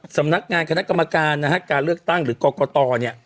สำนักงานคณะกรรมการนะฮะการเลือกตั้งหรือกรกตเนี่ย